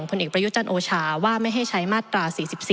ผลเอกประยุจันทร์โอชาว่าไม่ให้ใช้มาตรา๔๔